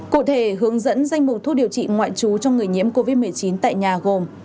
cụ thể hướng dẫn danh mục thuốc điều trị ngoại trú cho người nhiễm covid một mươi chín tại nhà gồm